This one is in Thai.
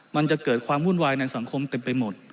มันจะเกิดความวุ่นวายในสังคมเต็มไปหมด